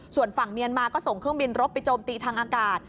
ส่วนฝั่งเมียนมาก็ส่งเครื่องบินรบไปโจมตีทางอากาศ